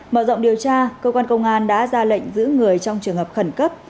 mở rộng điều tra cơ quan công an đã ra lệnh giữ người trong trường hợp khẩn cấp